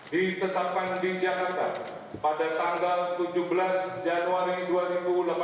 ditetapkan di jakarta pada tanggal tujuh belas januari dua ribu delapan belas